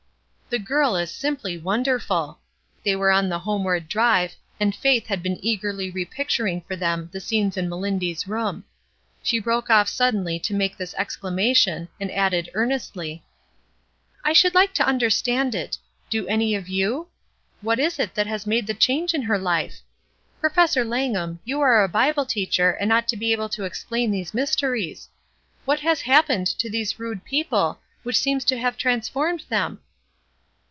"The girl is simply wonderful!" They were on the homeward drive, and Faith had been eagerly re picturing for them the scenes in Melindy's room; she broke off suddenly to make this exclamation, and added earnestly :— "I should hke to understand it. Do any of you ? What is it that has made the change in her life? Professor Langham, you are a Bible teacher and ought to be able to explain these mysteries. What has happened to these rude people which seems to have transformed them